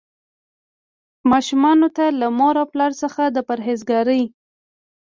ماشومانو ته له مور او پلار څخه د پرهیزګارۍ.